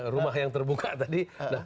rumah yang terbuka tadi